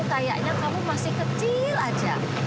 kayaknya kamu masih kecil aja